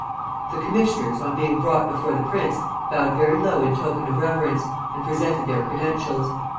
The commissioners, on being brought before the prince, bowed very low in token of reverence, and presented their credentials.